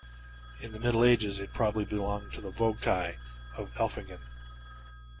In the Middle Ages it probably belonged to the vogtei of Elfingen.